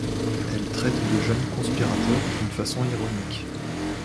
Elle traite de jeunes conspirateurs d'une façon ironique.